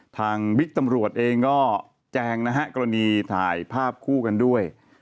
บิ๊กตำรวจเองก็แจงนะฮะกรณีถ่ายภาพคู่กันด้วย